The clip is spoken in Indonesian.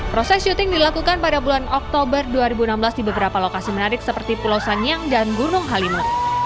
proses syuting dilakukan pada bulan oktober dua ribu enam belas di beberapa lokasi menarik seperti pulau sanyang dan gunung halimun